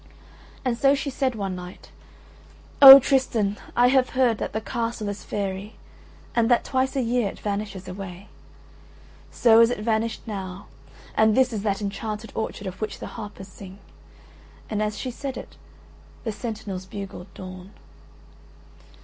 And so she said one night: "Oh, Tristan, I have heard that the castle is faëry and that twice a year it vanishes away. So is it vanished now and this is that enchanted orchard of which the harpers sing." And as she said it, the sentinels bugled dawn.